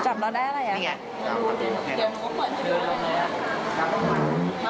จับแล้วได้อะไรอ่ะค่ะ